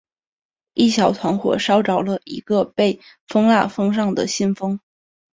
一小团火烧着了一个被封蜡封上的信封。